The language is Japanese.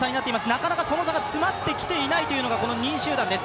なかなかその差が詰まってきていないのがこの２位集団です。